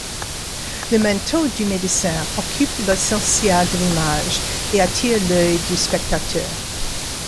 Le manteau du médecin occupe l’essentiel de l'image et attire l'œil du spectateur.